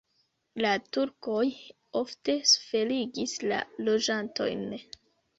La turkoj ofte suferigis la loĝantojn.